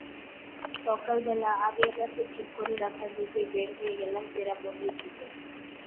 সকালবেলা আগের রাতে ঠিক করে রাখা জিপে বের হয়ে গেলাম চেরাপুঞ্জির দিকে।